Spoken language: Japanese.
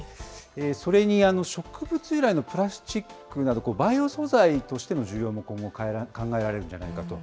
それに植物由来のプラスチックなど、バイオ素材としての需要も今後考えられるんじゃないかと。